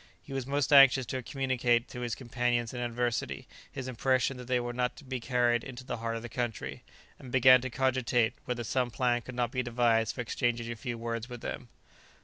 He was most anxious to communicate to his companions in adversity his impression that they were not to be carried into the heart of the country, and began to cogitate whether some plan could not be devised for exchanging a few words with them.